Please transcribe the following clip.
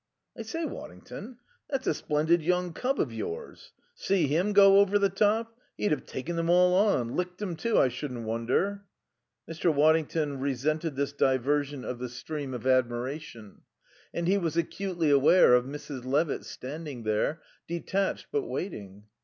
"I say, Waddington, that's a splendid young cub of yours. See him go over the top? He'd have taken them all on. Licked 'em, too, I shouldn't wonder." Mr. Waddington resented this diversion of the stream of admiration. And he was acutely aware of Mrs. Levitt standing there, detached but waiting.